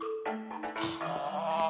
はあ。